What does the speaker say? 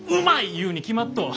言うに決まっとう！